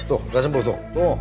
tuh udah sembuh tuh tuh